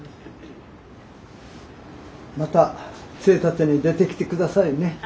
また杖立に出てきて下さいね。